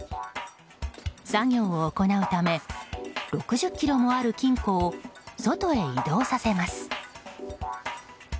作業を行うため６０ｋｇもある金庫を外へ移動させます。